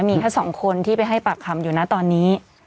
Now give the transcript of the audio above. มีแค่๒คนที่ไปให้ปากคำอยู่นะตอนนี้